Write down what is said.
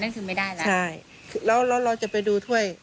นั่นคือไม่ได้แล้วใช่แล้วแล้วเราจะไปดูถ้วย